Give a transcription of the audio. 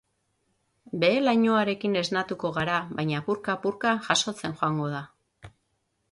Behe-lainoarekin esnatuko gara baina apurka-apurka jasotzen joango da.